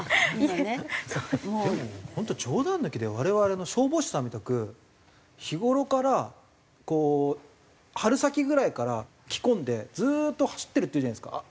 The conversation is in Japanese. でも本当冗談抜きで我々も消防士さんみたく日頃からこう春先ぐらいから着込んでずーっと走ってるっていうじゃないですか。